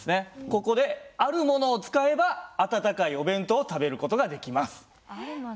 ここであるものを使えば温かいお弁当を食べる事ができます。